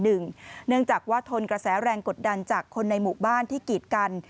เนื่องจากว่าทนกระแสแรงกดดันจากคนในหมู่บ้านที่กีดกัน